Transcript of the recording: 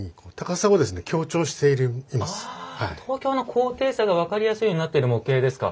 東京の高低差が分かりやすいようになってる模型ですか。